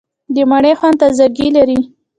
د مڼې خوند تازهګۍ لري.